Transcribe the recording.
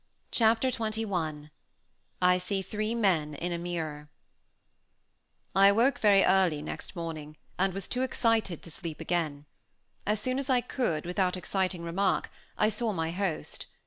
Chapter XXI I SEE THREE MEN IN A MIRROR I awoke very early next morning, and was too excited to sleep again. As soon as I could, without exciting remark, I saw my host.